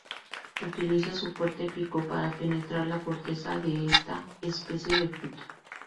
Utiliza su fuerte pico para penetrar la corteza de esta especie de fruto.